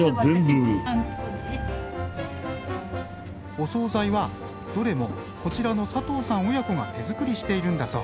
お総菜はどれもこちらの佐藤さん親子が手作りしているんだそう。